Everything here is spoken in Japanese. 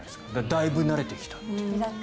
だいぶ慣れてきたという。